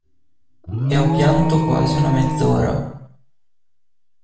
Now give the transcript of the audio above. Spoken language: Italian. E ho pianto quasi una mezz'ora.